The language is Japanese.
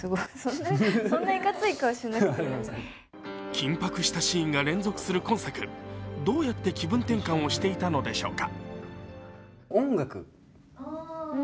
緊迫したシーンが連続する今作、どうやって気分転換をしていたのでしょうか。